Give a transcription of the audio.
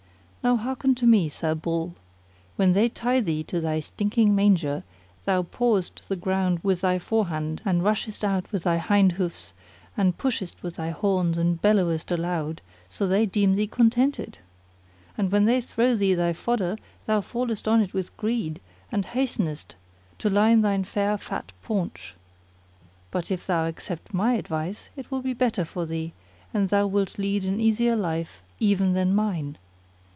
Now hearken to me, Sir Bull! when they tie thee to thy stinking manger, thou pawest the ground with thy forehand and lashest out with thy hind hoofs and pushest with thy horns and bellowest aloud, so they deem thee contented. And when they throw thee thy fodder thou fallest on it with greed and hastenest to line thy fair fat paunch. But if thou accept my advice it will be better for thee and thou wilt lead an easier life even than mine.